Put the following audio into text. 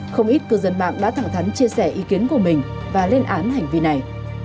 không ít cư dân mạng đã thẳng thắn chia sẻ ý kiến của mình và lên án hành vi này